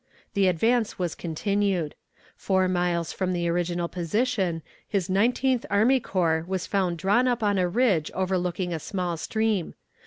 The advance was continued. Four miles from the original position, his Nineteenth Army Corps was found drawn up on a ridge overlooking a small stream.